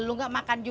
lo ga makan juga tis